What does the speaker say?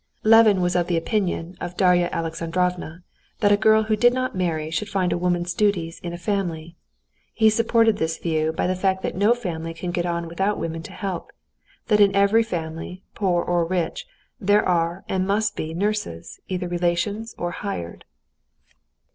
Levin was of the opinion of Darya Alexandrovna that a girl who did not marry should find a woman's duties in a family. He supported this view by the fact that no family can get on without women to help; that in every family, poor or rich, there are and must be nurses, either relations or hired.